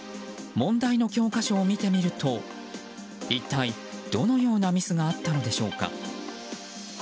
問題の教科書を見てみると一体どのようなミスがあったのでしょうか。